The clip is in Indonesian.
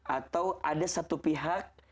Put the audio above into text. atau ada satu pihak